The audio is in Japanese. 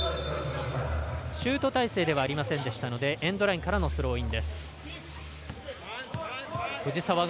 シュート体勢ではありませんでしたのでエンドラインからのスローイン。